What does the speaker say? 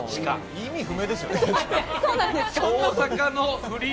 意味不明ですよね。